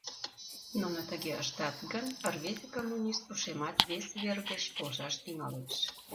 Нуно тыге ыштат гын, рвезе коммунист ушемат вес вер гыч полшаш тӱҥалеш.